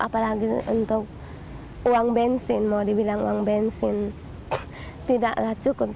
apalagi untuk uang bensin mau dibilang uang bensin tidaklah cukup